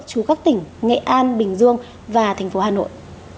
chú các tỉnh nghệ an bình dương và tp hà nội